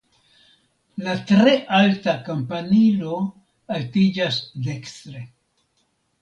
La tre alta kampanilo altiĝas dekstre.